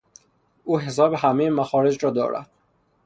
او حساب همهی مخارج را دارد.